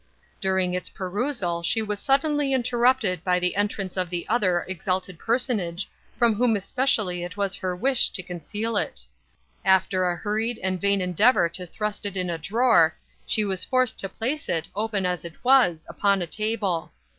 During its perusal she was suddenly interrupted by the entrance of the other exalted personage from whom especially it was her wish to conceal it. After a hurried and vain endeavor to thrust it in a drawer, she was forced to place it, open as it was, upon a table.